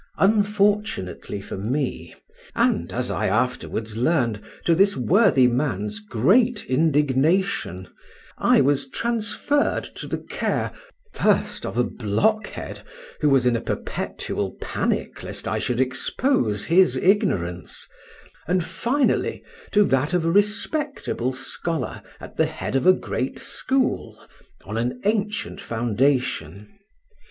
Unfortunately for me (and, as I afterwards learned, to this worthy man's great indignation), I was transferred to the care, first of a blockhead, who was in a perpetual panic lest I should expose his ignorance; and finally to that of a respectable scholar at the head of a great school on an ancient foundation.